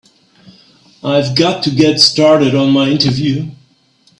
I've got to get started on my interview.